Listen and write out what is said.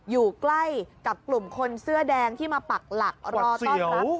อยู่ใกล้กับกลุ่มคนเสื้อแดงที่มาปักหลักรอต้อนรับ